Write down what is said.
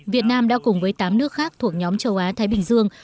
việt nam đã cùng với tám nước khác thuộc nhóm châu á thái bình dương